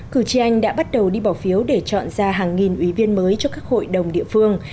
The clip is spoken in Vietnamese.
cử tri anh đã bắt đầu đi bỏ phiếu để chọn ra hàng nghìn ủy viên mới cho các hội đồng địa phương